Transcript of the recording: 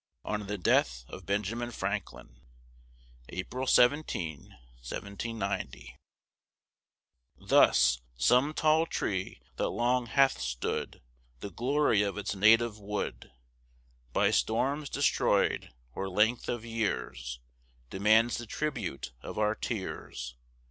ON THE DEATH OF BENJAMIN FRANKLIN [April 17, 1790] Thus, some tall tree that long hath stood The glory of its native wood, By storms destroyed, or length of years, Demands the tribute of our tears.